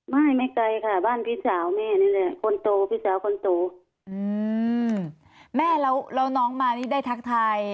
ไม่ไม่ไกลค่ะบ้านพี่สาวแม่นี่แหละคนโตพี่สาวคนโตอืมแม่แล้วแล้วน้องมานี่ได้ทักทาย